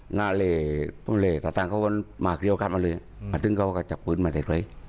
หน้าเหร่พวกเหร่ต่างเขามากเดียวกันมาเลยมาถึงเขาก็จักปืนมาใดใคร